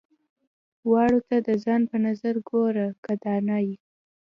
واړو ته د ځان په نظر ګوره که دانا يې.